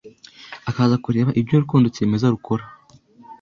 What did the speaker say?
akaza kureba ibyo urukundo kimeza rukora.